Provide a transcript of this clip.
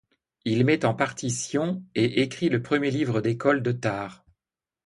Il met en partition et écrit le premier livre d'école de târ.